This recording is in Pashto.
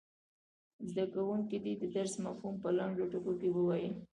زده کوونکي دې د درس مفهوم په لنډو ټکو کې ووايي.